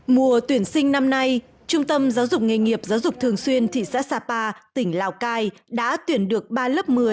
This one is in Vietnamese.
mùa tuyển sinh năm nay trung tâm giáo dục nghề nghiệp giáo dục thường xuyên thị xã sapa tỉnh lào cai đã tuyển được ba lớp một mươi